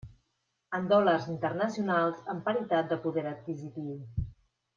En dòlars internacionals en paritat de poder adquisitiu.